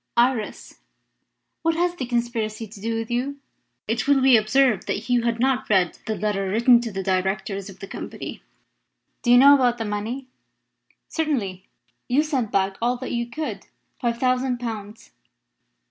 Iris, what has the conspiracy to do with you?" It will be observed that Hugh had not read the letter written to the Directors of the Company. "Do you know about the money?" "Certainly. You sent back all that you could five thousand pounds.